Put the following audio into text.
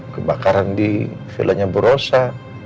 kebakaran di vilanya burosa